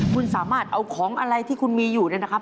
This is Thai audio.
คุณสามารถเอาของอะไรที่คุณมีอยู่เนี่ยนะครับ